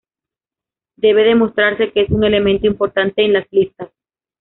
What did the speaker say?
Debe demostrarse que es un elemento importante en las listas".